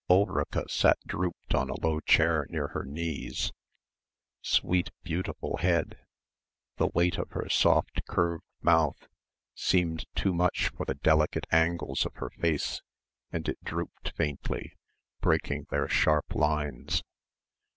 ... Ulrica sat drooped on a low chair near her knees ... "sweet beautiful head" ... the weight of her soft curved mouth seemed too much for the delicate angles of her face and it drooped faintly, breaking their sharp lines.